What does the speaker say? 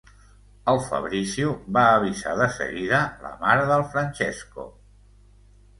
El Fabrizio va avisar de seguida la mare del Francesco.